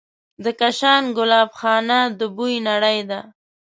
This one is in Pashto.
د کاشان ګلابخانه د بوی نړۍ ده.